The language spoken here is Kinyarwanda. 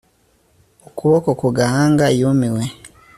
Ukuboko ku gahanga yumiwe